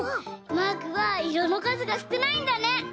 マークはいろのかずがすくないんだね！